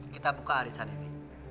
kita buka arisan ini